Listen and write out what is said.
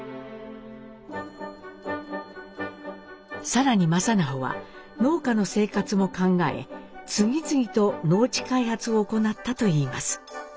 更に正直は農家の生活も考え次々と農地開発を行ったといいます。